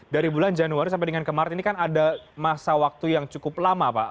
dari bulan januari sampai dengan kemarin ini kan ada masa waktu yang cukup lama pak